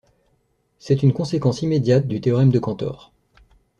C'est une conséquence immédiate du théorème de Cantor.